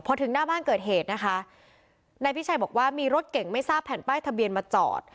พอถึงหน้าบ้านเกิดเหตุนะคะนายพิชัยบอกว่ามีรถเก่งไม่ทราบแผ่นป้ายทะเบียนมาจอด